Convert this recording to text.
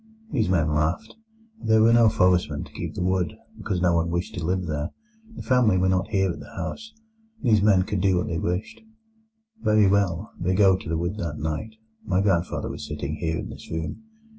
These men laughed. There were no forestmen to keep the wood, because no one wished to live there. The family were not here at the house. These men could do what they wished. "Very well, they go to the wood that night. My grandfather was sitting here in this room.